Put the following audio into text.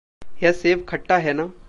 यह सेव खट्टा है ना?